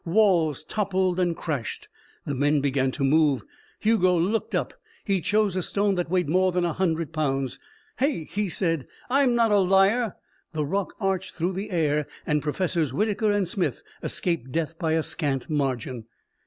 Walls toppled and crashed. The men began to move. Hugo looked up. He chose a stone that weighed more than a hundred pounds. "Hey!" he said. "I'm not a liar!" The rock arched through the air and Professors Whitaker and Smith escaped death by a scant margin.